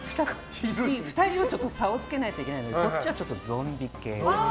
２人の差をつけないといけないのでこっちはゾンビ系。